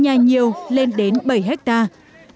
nhà nhiều lên đến bảy hectare